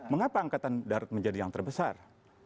mengapa angkatan darat menjadi yang terbesar